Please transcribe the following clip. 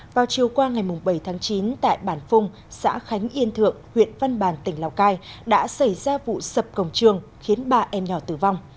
vào chiều qua ngày bảy tháng chín tại bản phung xã khánh yên thượng huyện văn bàn tỉnh lào cai đã xảy ra vụ sập cổng trường khiến ba em nhỏ tử vong